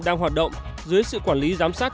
đang hoạt động dưới sự quản lý giám sát